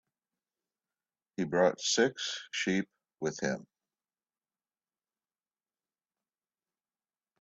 He brought six sheep with him.